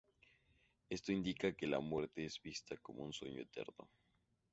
Esto indica que la muerte es vista como un sueño eterno.